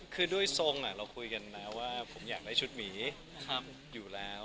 คือด้วยโซงเราคุยกันแล้วว่าได้ชุดหมีอยู่แล้ว